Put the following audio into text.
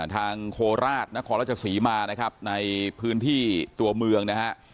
โคราชนครราชศรีมานะครับในพื้นที่ตัวเมืองนะฮะ